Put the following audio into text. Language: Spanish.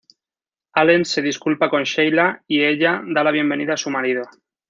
Allen se disculpa con Sheila y ella da la bienvenida a su marido.